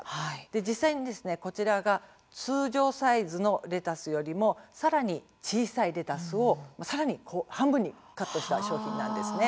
実際にこちらが通常サイズのレタスよりもさらに小さいレタスをさらに半分にカットした商品なんです。